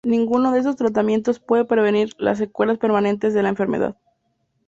Ninguno de estos tratamientos puede prevenir las secuelas permanentes de la enfermedad.